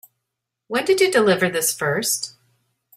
When did you deliver this first?